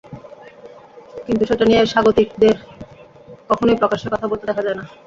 কিন্তু সেটা নিয়ে স্বাগতিকদের কখনোই প্রকাশ্যে কথা বলতে দেখা যায় না।